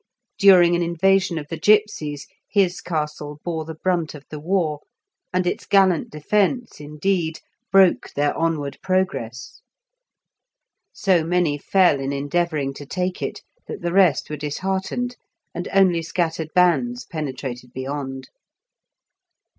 During an invasion of the gipsies, his castle bore the brunt of the war, and its gallant defence, indeed, broke their onward progress. So many fell in endeavouring to take it, that the rest were disheartened, and only scattered bands penetrated beyond.